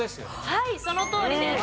はいそのとおりです。